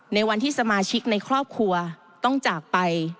ในวันที่สมาชิกในครอบครัวต้องจากไป